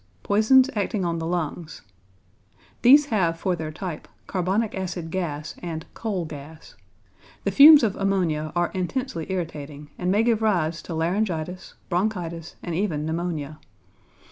=Poisons Acting on the Lungs.= These have for their type carbonic acid gas and coal gas. The fumes of ammonia are intensely irritating, and may give rise to laryngitis, bronchitis, and even pneumonia.